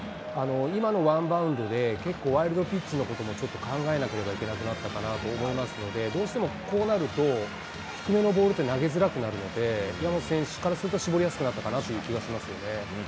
今のワンバウンドで、結構、ワイルドピッチのこともちょっと考えなければいけなくなったかなと思いますので、どうしてもこうなると、低めのボールって投げづらくなるので、大和選手からすると、絞りやすくなったかなと思いますね。